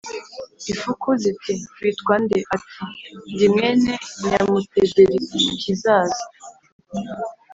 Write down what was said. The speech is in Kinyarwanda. Ifuku ziti: "Witwa nde?" Ati: "Ndi mwene Nyamutegerikizaza"